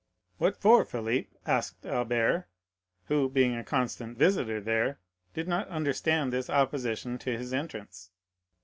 "What for, Philip?" asked Albert, who, being a constant visitor there, did not understand this opposition to his entrance.